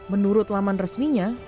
menurut laman resminya